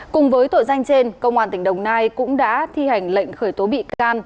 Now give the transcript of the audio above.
cùng với tội danh trên công an tỉnh đồng nai cũng đã thi hành lệnh khởi tố bị can